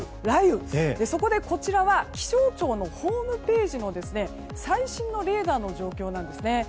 そこでこちらは気象庁のホームページの最新のレーダーの状況なんですね。